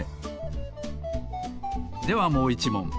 ではもう１もん！